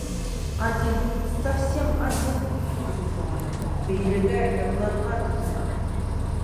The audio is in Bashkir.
Один, совсем один! -тип ҡыуана, бейергә, йырларға тотона.